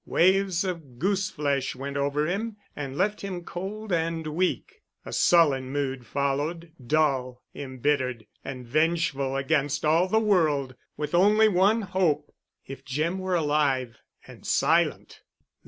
Waves of goose flesh went over him and left him cold and weak.... A sullen mood followed, dull, embittered, and vengeful, against all the world, with only one hope.... If Jim were alive—and silent!